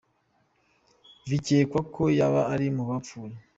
Vyikekwa ko yoba ari mu bapfuye.